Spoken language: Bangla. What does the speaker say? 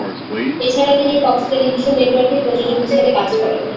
এছাড়া তিনি ফক্স টেলিভিশন নেটওয়ার্কে প্রযোজক হিসেবে কাজ করেন।